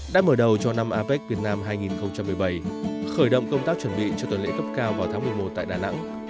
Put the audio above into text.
đã mở đầu cho năm apec việt nam hai nghìn một mươi bảy khởi động công tác chuẩn bị cho tuần lễ cấp cao vào tháng một mươi một tại đà nẵng